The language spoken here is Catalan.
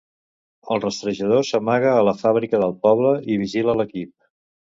El rastrejador s'amaga a la fàbrica del poble i vigila l'equip.